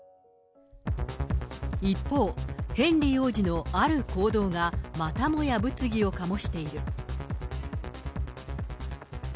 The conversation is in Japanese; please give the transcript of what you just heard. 一方、ヘンリー王子のある行動が、またもや物議を醸している。